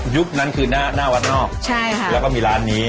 นั้นคือหน้าวัดนอกแล้วก็มีร้านนี้